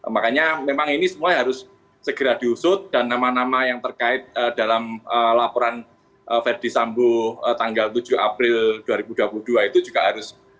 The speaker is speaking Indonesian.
makanya memang ini semua harus segera diusut dan nama nama yang terkait dalam laporan ferdi sambo tanggal tujuh april dua ribu dua puluh dua itu juga harus